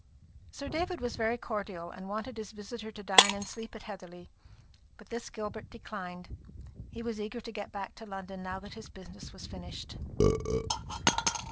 Sir David was very cordial, and wanted his visitor to dine and sleep at Heatherly; but this Gilbert declined. He was eager to get back to London now that his business was finished.